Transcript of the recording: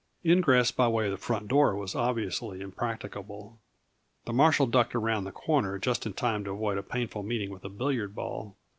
Ingress by way of the front door was obviously impracticable; the marshal ducked around the corner just in time to avoid a painful meeting with a billiard ball.